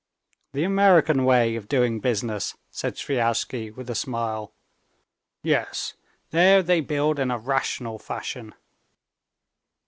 "The American way of doing business," said Sviazhsky, with a smile. "Yes, there they build in a rational fashion...."